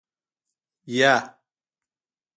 يه.